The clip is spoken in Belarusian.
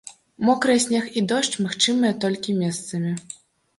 Мокры снег і дождж магчымыя толькі месцамі.